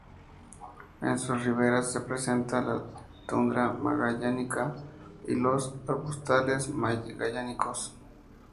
En sus riberas se presenta la tundra magallánica y los arbustales magallánicos.